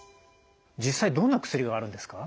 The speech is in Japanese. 実際どんな薬があるんですか？